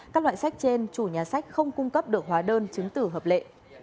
các loại sách trên chủ nhà sách không cung cấp được hóa đơn chứng tử hợp lệ